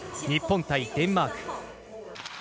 日本対デンマーク。